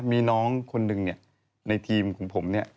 มีน้องคนนึงในทีมของผมนี่